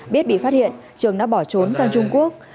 biết bị phát hiện trường đã bỏ trốn sang trung quốc